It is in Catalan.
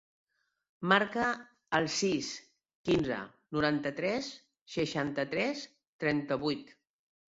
Marca el sis, quinze, noranta-tres, seixanta-tres, trenta-vuit.